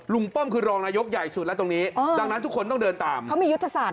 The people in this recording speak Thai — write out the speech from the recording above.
ป้อมคือรองนายกใหญ่สุดแล้วตรงนี้ดังนั้นทุกคนต้องเดินตามเขามียุทธศาสตร์